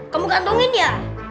kamu gantungin ya